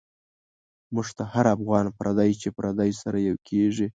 موږ ته هر افغان پردی، چی پردی سره یو کیږی